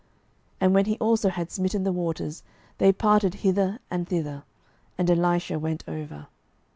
and when he also had smitten the waters, they parted hither and thither: and Elisha went over.